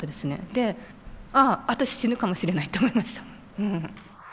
で「ああ私死ぬかもしれない」と思いました。